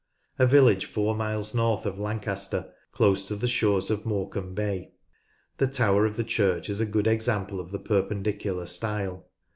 A village four miles north of Lancaster, close to the shores of Morecambe Bay. The tower of the church is a good example of the Perpendicular style.